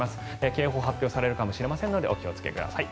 警報が発表されるかもしれませんのでお気をつけください。